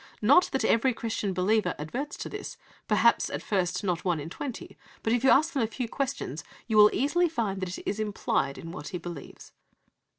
"Not that every Christian believer adverts to this; perhaps, at first, not one in twenty; but, if you ask them a few questions, you will easily find it is implied in what he believes."